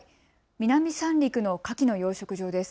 南三陸のかきの養殖場です。